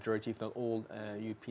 jika tidak semua warga eropa